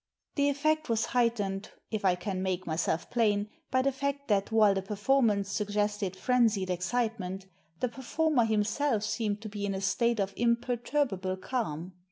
The effect was heightened, if I can make myself plain, by the fact that while the performance suggested frenzied excitement, the performer himself seemed to be in a state of im perturbable calm.